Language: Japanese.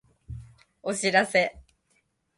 お知らせ